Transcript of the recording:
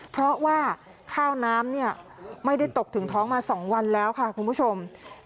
เพราะว่าข้าวน้ำไม่ได้ตกถึงท้องมา๒วันแล้วค่ะคุณผู้ชม